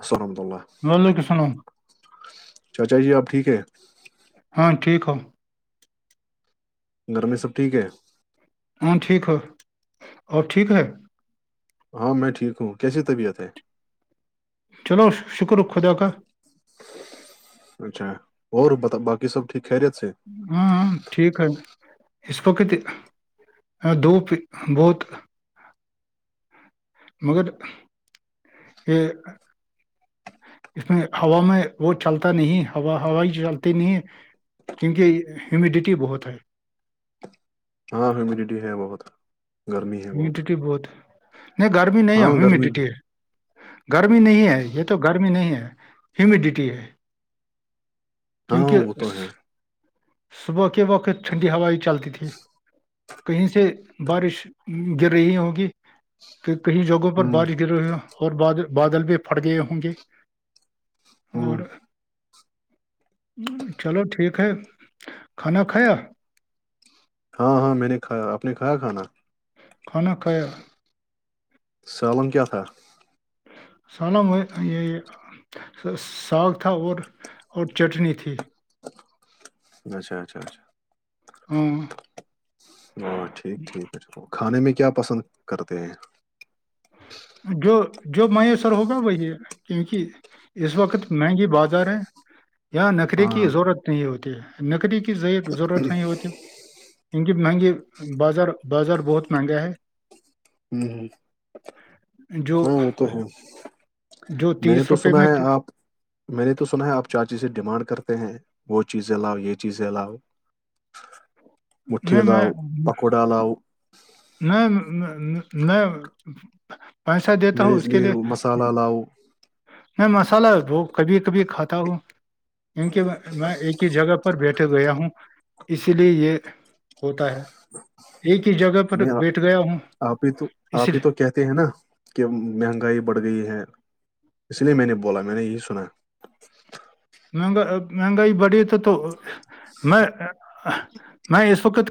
السحمد اللہ وعلیکم السلام چاچا جی آپ ٹھیک ہے ہاں ٹھیک ہو گر میں سب ٹھیک ہے ہاں ٹھیک ہو اور ٹھیک ہے ہاں میں ٹھیک ہوں کیسی طبیعت ہے چلو شکر خدا کاا اچھا اور باقی سب ٹھیک خیریت سے ہاں ٹھیک ہے اسسپکتی دوپ بہت مگر یہ اس میں ہوا میں وہ چلتا نہیںا ہو چلتی نہیں ہے کیونکہ ہیمیڈیٹی بہت ہے ہاں ہیمیڈیٹی ہے بہت گرمی ہے ہیمیڈٹی بہت نہیں گرمی نہیں ہے ہاں گرمی بھی ہیمیڈیٹی ہے گرمی نہیں ہے یہ تو گرمی نہیں ہے ہیمیڈیٹی ہے ہاں کیونکہ وہ تو ہے صبح کے وقت ٹھنڈی ہوائ چلتی تھی کہیں سے بارش گر رہی ہوگی کہ کئی جگہوں پر ہوں بارش گر رہےی اور ب بادل بھی پھٹ گئے ہوں گے ہوں اور چلو ٹھیک ہے کھانا کھیا ہاں ہاں میں نے کایا آپ نے کھایا کھانا کونا ک سالن کیا تھا سالہ یہ ساگ تھا اور اور چٹنی تھی اچھا اچھا اچھا ہاں ا ٹھیک ٹھیک ہےل کھانے میں کیا پسند کرتے ہیں جو جو میسر ہوگا وہی ہے کیونکہ اس وقت مہنگی بازار ہے یا نکری ہاں کی ضرورت نہیں ہوتی ہے نکریی کی ز ضرورت س نہیںی ہوتی ہے انک مہنگی بازار بازار بہت مہنگا ہے ہوں، جو ہاں وہ تو ہے جو میں نے تیس تو روپے سنا میں ہے آپ میں نے تو سنا ہے آپ چار چیزیں ڈیمانڈ کرتے ہیں وہ چیزیں لاؤ یہ چیزیں لاؤ مٹھی نہیں لؤ پکوڑا لؤ نہیں میں پیسہ دیتا ہوں اس کے لیے پلاؤ میں مسالہ وہ کبھی کبھی کھاتا ہوں کیونکہ میں ایک ہی جگہ پر بیٹھا گیا ہوں اسی لیے یہ ہوتا ہے ایک ہی جگہ پر میں بیٹھ گیا ہوں آپ ہی تو اس آپ ہی لیے تو کہتے ہیں نا کہ مہنگائی بڑھ گئی ہے اس لیے میں نے بولا میں نے یہی سنا مہنگا مہنگائی بڑی تو تو میں میں اس وقت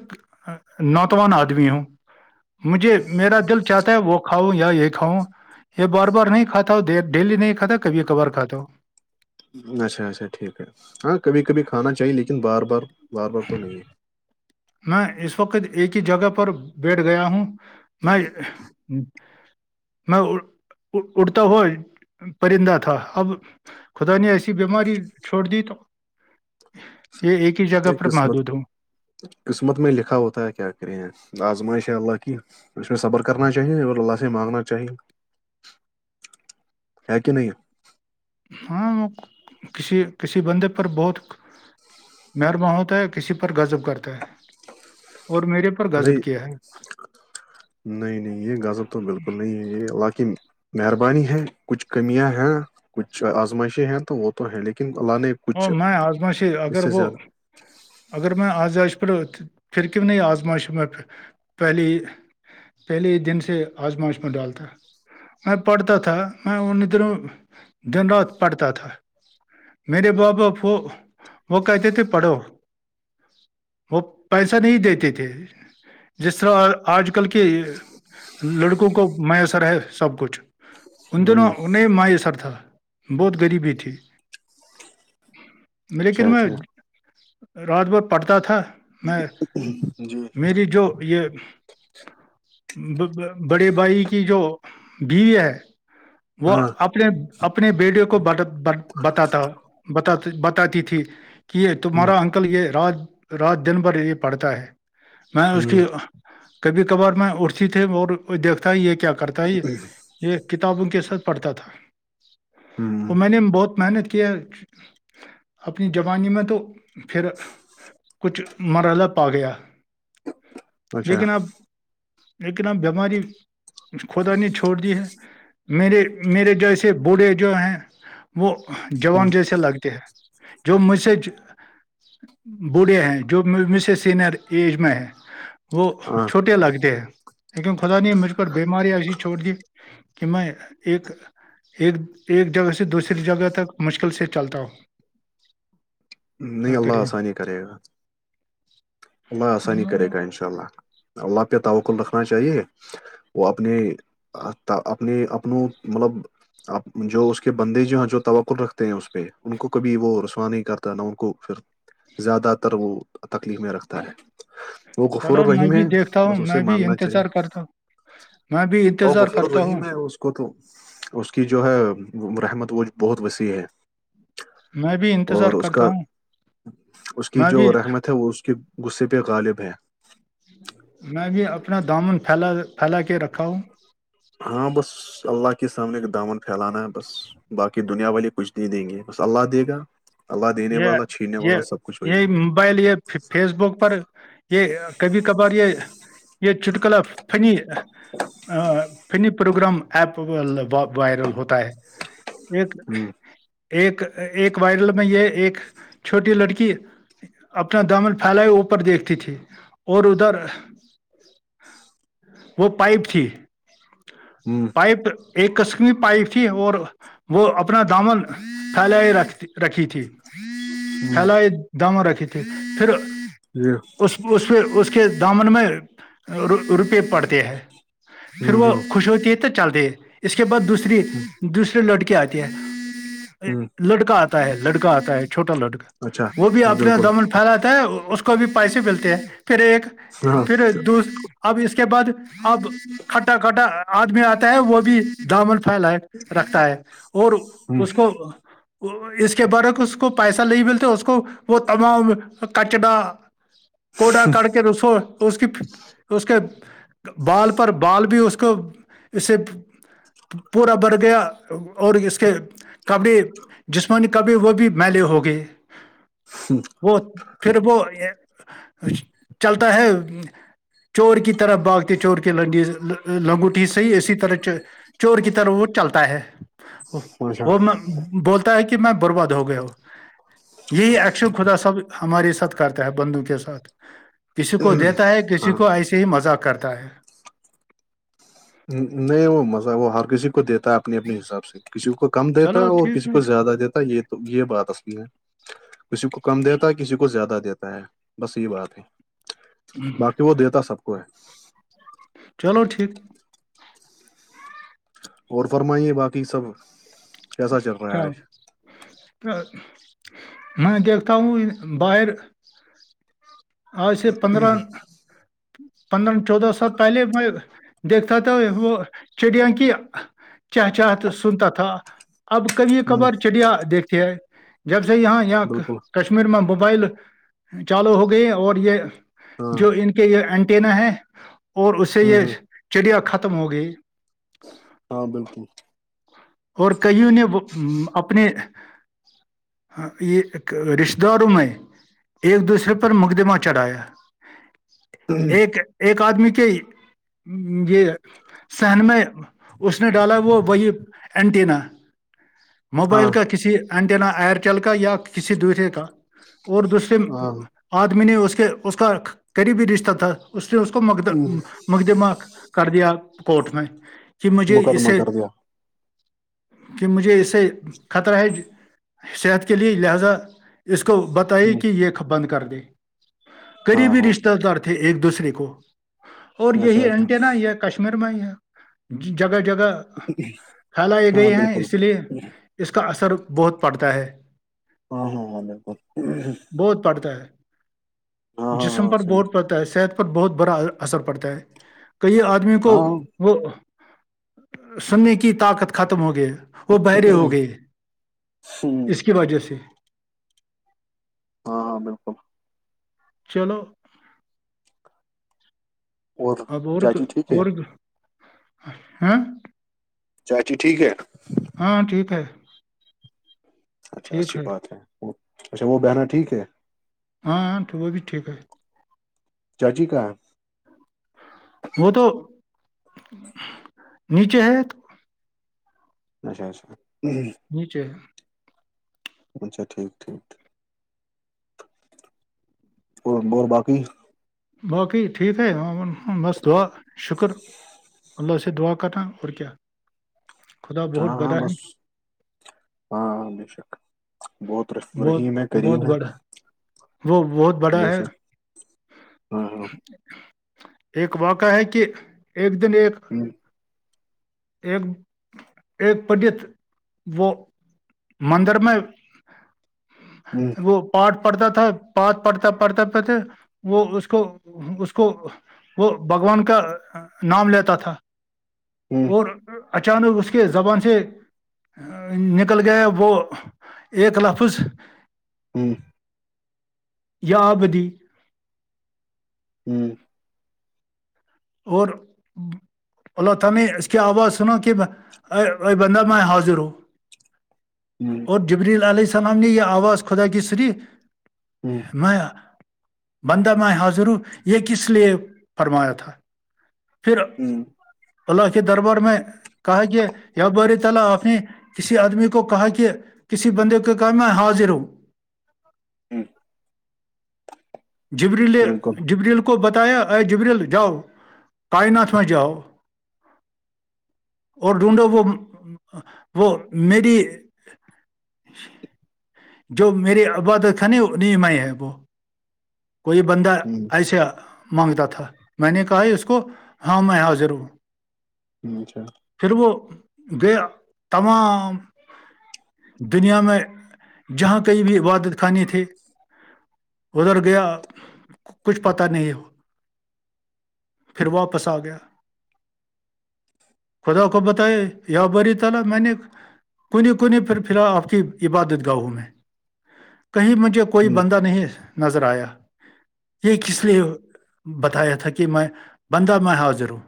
نوتوان آدمی ہوں مجھے میرا دل چاہتا ہے وہ کھاؤں یا یہ کاؤ یہ بار بار نہیں کھا ڈیلی نہیں کھا کبھی کبار کھاتا ہوں اچھا اچھا ٹھیک ہے ہاں کبھی کبھی کھانا چاہیے لیکن بار بار بار بار تو نہیں ہے میں اس وقت ایک ہی جگہ پر بیٹھ گیا ہوں میں میں اڑتا ہوئے پرندہ تھا اب خدا نے ایسی بیماری چھوڑ دی تو یہ ایک ہی جگہ نہیں پر قسمت محدود ہوں قسمت میں لکھا ہوتا ہے کیا کریں آزمائشا اللہ کی اس میں صبر کرنا چاہیے اور اللہ سے مانگنا چاہیے ہے کہ نہیں ہاں وہ کسی کسی بندے پر بہت مرما ہوتا ہے کسی پر گذب کرتا ہے اور میرے پر نہیں غضب کیا ہے نہیں نہیں یہ غازب تو بالکل نہیں ہے یہ حقن مہربانی ہے کچھ کمیاں ہیں کچھ آزمائشے ہیں تو وہ تو ہے لیکن اللہ نے کچھ اور میں آزمائش اس اگر سے وہ زیادہ اگر میں آزائش پ پھر کیوں نہیں آزماش میں پہلی پہلے ہی دن سے آزماؤش میں ڈالتا ہے میں پڑھتا تھا میں انہ دنوں دن رات پڑھتا تھا میرے باباپ وہ کہتے تھے پڑھو وہ پیسہ نہیں دیتے تھے جس طرح آج کل کی لڑکوں کو میسر ہے سب کچھ ان دنوں ہوں انہیں میسر تھا بہت غریبی تھی لیکن اچھا میں اچھا رات بھر پڑھتا تھا میں جی میری جو یہ بڑے بائی کی جو بی ہے وہ ہاں اپنے اپنے بیڈیو کو بتاتا ہو بتات بتاتی تھی کہ یہ ہ تمہارا انکل یہ رات رات دن بھر یہ پڑھتا ہے میں اس ہ کی کبھی کبھار میں اٹھتی تھی اور دیکھتا ہے یہ کیا کرتا ہے یہ کتابوں کے ساتھ پڑھتا تھا ہ اور میں نے بہت محنت کیا اپنی جوبانی میں تو پھر کچھ مرحلہ پا گیا اچھا لیکن اب لیکن اب بیماری خھدا نے چھوڑ دی ہے میرے میرے جیسے بوڑھے جو ہیں وہ ہوں، جوان جیسے لگتے ہیں جو مجھ سے بوڑھے ہیں جو م سے سینئر ایج میں ہے وہ ہاں چھوٹے لگتے ہیں لیکن خدا نے مجھ پر بیماری ایسی چھوڑ دی کہ میں ایک ایک جگہ سے دوسری جگہ تک مشکل سے چلتا ہ نہیں اللہ آسانی کرے گا اللہ آسانی کرے گا انشء انشاء اللہ اللہ پہ تکل رکھنا چاہیے وہ اپنے اپنے اپن مطلب اب جو اس کے بندے جو ہیں جو توقل رکھتے ہیں اس پہ ان کو کبھی وہ رسوا نہیں کرتا نہ ان کو پھر زیادہ تر وہ تکلیف میں رکھتا ہے وہ غفور چلو میں الرحیم ہے بھی دیکھتا بس ہوں اسے میں بھی مانگنا چاہیے انتظار کرتا ہوں میں بھی تو انتظار غفور کرتا ہوں الرحیم ہے اس اس کو تو اس کی جو ہے رحمت وہ بہت وسیع ہے میں بھی انتظار اور اس کرتا کا ہوں اس کی میں جو بھی رحمت ہے وہ اس کے غصے پہ غالب ہے میں بھی اپنا دامن پھیلا پھیلا کے رکھا ہوں ہاں بس اللہ کے سامنے کا دامن پھیلانا ہے بس باقی دنیا والی کچھ نہیں دیں گے بس اللہ دے گا اللہ دینے یہ والا چھیننے یہ والا سب کچھ ہو ہے یہ موبائل یہ فیس بک پر یہ کبھی کبھار یہ یہ چٹکلا funny funny programme app viral ہوتا ہے ایک ہوں ایک ایک وائرل میں یہ ایک چھوٹی لڑکی اپنا دمن پھیل ہو اوپر دیکھتی تھی اور ادھر وہ پائپ تھی ہوں پائپ ایک قسمی پائپ تھی اور وہ اپنا دامن تھال رکھ رکھی تھی ہوں فلائی دام رکھی تھی پھر جی اس اس پہ اس کے دامن میں روپئے پڑتے ہیں پھر ہوں وہ ہوں خوش ہوتی ہے تو چلتے ہے اس کے بعد دوسری ہوں دوسریے لڑکے آتی ہے ہوں لڑکا آتا ہے لڑکا آتا ہے چھوٹا لڑکا اچھا وہ بھی اپنے بالکل دمن پھیلاتا ہے اس کو بھی پیسے ملتے ہیں پھر ایک ہاں پھر دوس اب اس کے بعد اب کھٹا کھٹا آدمی آتا ہے وہ بھی دامن پھیلائے رکھتا ہے اور ہوں اس کو اس کے برک اس کو پیسہ نہیں ملتے اس کو وہ تمام کچڑا گڈا کڑ کے رسو اس کی اس کے بال پر بال بھی اس کو اسے پورا بڑھ گیا اور اس کے کبڑے جسمانی کبڑے وہ بھی میلے ہوگئے ہوں وہ پھر وہ چلتا ہے چور کی طرف بھگتے چور کے لڈی لنگ صی اسی طرح چور کی طرح وہ چلتا ہے اچھا وہ میں بولتا ہے کہ میں برباد ہو گیا ہوں یہی اکشر خدا صاب ہمارے ساتھ کرتا ہے بندو کے ساتھ کسی کو دیتا ہے کسی ہاں کو ایسے ہی مذاق کرتا ہے نہیں وہ مزہ وہ ہر کسی کو دیتا ہے اپنے اپنے حساب سے کسی کو کم دیتا ہے چلو اور ٹھیک کسی کو زیادہ دیتا ہے یہ تو یہ بات اصلی ہے کسی کو کم دیتا ہے کسی کو زیادہ دیتا ہے بس یہی بات ہے باقی وہ دیتا سب کو ہے چلو ٹھیک اور فرمائیے باقی سب کیسا رہا ہے چل آج تو میں دیکھتا ہوں باہر آج سے پندرہ پندرہ چودہ سال پہلے میں دیکھتا تھا وہ چڑیاں کی چہ چاہ سنتا تھا اب کبھی ہوں کبھار چڑیا دیکھتے ہے جب سے یہاں یہ بالکل کشمیر میں موبائل چالو ہو گئی اور یہ ہاں جو ان کے یہ اینٹینا ہے اور اس سے ہوں یہ ہوں چڑیا ختم ہو گئی ہاں بالکل اور کئیوں نے اپنے ہاں یہ رشتے داروں میں ایک دوسرے پر مقدمہ چڑھایا ایک ایک آدمی کے یہ صحن میں اس نے ڈالا وہ وہی اینٹینا ہاں موبائل کا کسی اٹینا ایئرچل کا یا کسی دوسرے کا اور دوسرے ہاں ہوں، آدمی نے اس کے اس کا قریبی رشتہ تھا اس سے اس کو م مقدمہ کر دیا کٹ میں کہ مجھے مقدمہ اسے کر دیا مجھے اسے خطرہ ہے صحت کے لیے لہذا اس کو بتائی ہوں، کہ یہ بند کر دے ہاں قریبی ہاں رشتتے دار ہے ایک دوسرے کو اور اچھا یہی اچھا انٹینا یہ کشمیر میں ہی ہے جگہ جگہ اک ہے [unintelligible] پھیلائی گئی ہیں اس لیے اس کا اثر بہت پڑتا ہے ہاں ہاں ہاں بالکل بہت پڑھتا ہے ہاں ہاں جسم ہاں پر صحیح بہت پڑتا ہے صحت پر بہت بڑا اثر پڑتا ہے کئی آدمی کو ہاں وہ سننے کی طاقت ختم ہو گئے وہ بہرے ہو گئے ہاں اس کی وجہ سے ہاں ہاں بالکل چلو اب اور چاچی ٹھیک ہے اور ہ چاچی ٹھیک ہے ہاں ٹھیک ہے اچھا اچھی بات ہے وہ اچھا وہ بہنا ٹھیک ہے ہاں تو وہ بھی ٹھیک ہے چاچی کا وہ تو نیچے ہے اچھا اچھا نیچے اچھا ٹھیک ٹھیک اور اور باقی باقی ٹھیک ہے بس دعا شکر اللہ سے دعا کر تھا اور کیا خدا بہت ہاں ہاں بدا ہے بس ہاں مشک بہت بہت رحیم ہے قریب بہت ہے بڑا وہ بہت بڑا بے ہے شک ہاں ہاں ایک واقع ہے کہ ایک دن ایک ایک ایک پنڈت وہ مندر میں [unintelligible] پارٹ پڑھتا تھا پھ پڑھتا پڑھتا پڑھتا وہ اس کو اس کو وہ بھگوان کا نام لیتا تھا اور اچانک اس کے زبان سے نکل گیا وہ ایک لفظ [unintelligible] یہ ابدی [unintelligible] اور اللہ تعی اس کی آواز سناو کہ ا ارے بندہ میں حاضر ہوں اور جبریل علیہ السلام نے یہ آواز خدا کی سنی میں بندہ میں حاضر ہ یہ کس لیے فرمایا تھا [unintelligible] پل کہ دربر میں [unintelligible] کسی بندے کے کہم میں حاضر ہوں جبریل بالکل جبریل کو بتایا اے جبریل جاؤ کائنات میں جاؤ اور ڈھونڈو وہ وہ میری جو میری عبادت خانی ن میں ہے وہ کوئی بندہ ایسا مانگتا تھا میں نے کہا ہے اس کو ہاں میں ہاں ضرور [unintelligible] پھر وہ گئے تمام دنیا میں جہاں کئی بھی عبادت خانے تھے ادھر گیا کچھ پتا نہیں ہے وہ پھر واپس آ گیا خدا خوبت بری تلا میں نے کوئی کوئی نہیں پھر فی الح آپ کی عبادت گاہوں میں کہیں مجھے کوئی بندہ نہیں نظر آیا یہ کس لیے بتایا تھا کہ میں بندہ میں حاضر ہوں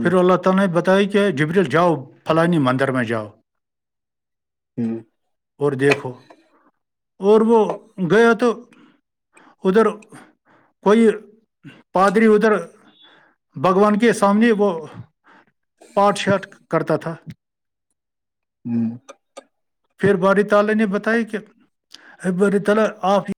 پھر اللہ تعالی نے بتائی کہ جبریل جاؤ فلانی مندر میں جاؤ [unintelligible] اور دیکھو اور وہ گیا تو ادھر کوئی پادادری ادھر بھگوان کے سامنے وہ پاٹ شاٹ کرتا تھا [unintelligible] پھر باری تال نے بتایا کہ باری تال آپ یہ